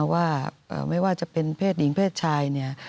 ว่าไม่ว่าจะเป็นเพศหญิงเพศชายเนี่ย